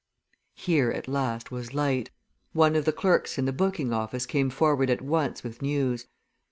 Here at last, was light. One of the clerks in the booking office came forward at once with news.